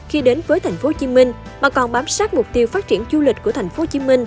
khi đến với tp hcm mà còn bám sát mục tiêu phát triển du lịch của tp hcm